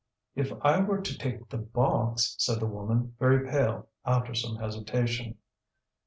"If I were to take the box?" said the woman, very pale, after some hesitation.